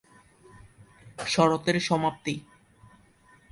শরতের সমাপ্তি।